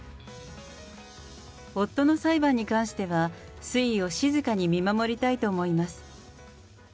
夫の裁判に関しては、推移を静かに見守りたいと思います。